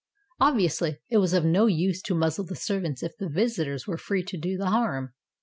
Obviously, it was of no use to muzzle the servants if the visitors were free to do the harm.